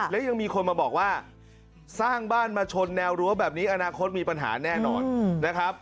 และยังมีคนมาบอกว่าสร้างบ้านมาชนแนวรั้วแบบนี้อนาคตมีปัญหาแน่นอนนะครับ